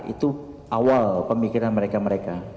itu awal pemikiran mereka mereka